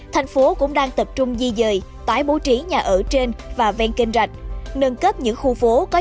thành phố cũng đang tập trung di dời tái bố trí nhà ở trên và ven kênh rạch nâng cấp những khu phố có